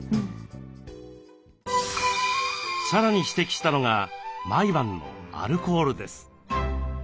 さらに指摘したのが毎晩のアルコールです。